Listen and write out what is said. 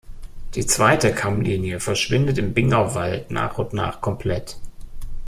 Die zweite Kammlinie verschwindet im Binger Wald nach und nach komplett.